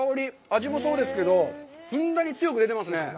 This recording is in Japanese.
味もそうですけど、ふんだんに強く出てますね。